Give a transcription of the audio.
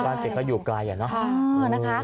บ้านเด็กก็อยู่ไกลอ่ะเนอะ